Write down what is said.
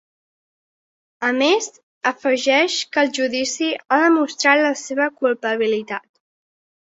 A més, afegeix que el judici ha demostrat la seva culpabilitat.